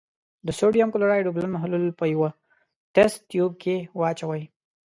د سوډیم کلورایډ اوبلن محلول په یوه تست تیوب کې واچوئ.